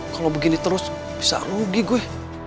kalau begini terus bisa rugi gue